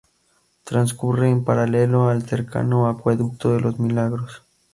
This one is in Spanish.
Transcurre en paralelo al cercano Acueducto de los Milagros.